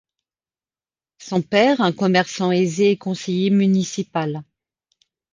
Son père, un commerçant aisé et conseiller municipal.